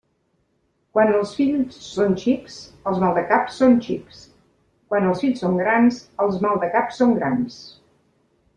Quan els fills són xics, els maldecaps són xics; quan els fills són grans, els maldecaps són grans.